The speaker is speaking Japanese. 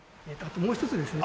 もう一つですね。